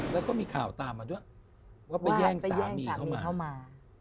แล้วก็มีข่าวตามมาด้วยว่าว่าไปแย่งสามีเข้ามา